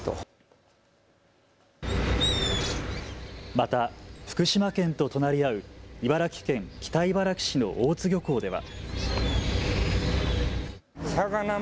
また福島県と隣り合う茨城県北茨城市の大津漁港では。